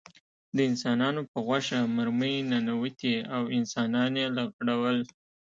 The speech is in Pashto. د انسانانو په غوښه مرمۍ ننوتې او انسانان یې لغړول